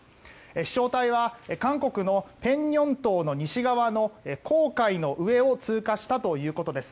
飛翔体は韓国のペンニョン島の西側の黄海の上を通過したということです。